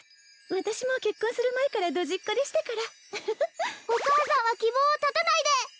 私も結婚する前からドジっ子でしたからお母さんは希望を断たないで！